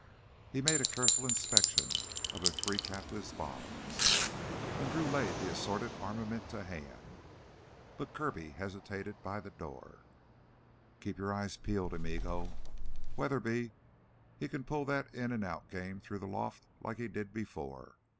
He made a careful inspection of their three captives' bonds, and Drew laid the assorted armament to hand. But Kirby hesitated by the door. "You keep your eyes peeled, amigo. Weatherby he can pull that in and out game through the loft like he did before.